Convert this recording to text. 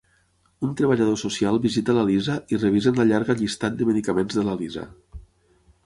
Un treballador social visita la Liza i revisen la llarga llistat de medicaments de la Liza.